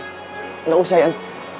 enggak usah jan